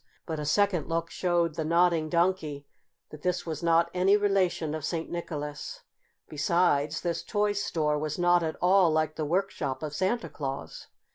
But a second look showed the Nodding Donkey that this was not any relation of St. Nicholas. Besides, this toy store was not at all like the workshop of Santa Claus.